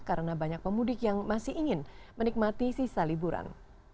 karena banyak pemudik yang masih ingin menikmati sisa liburan